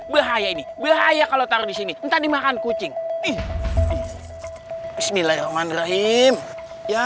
bahaya ini bahaya kalau taruh di sini entah dimakan kucing bismillahirrahmanirrahim ya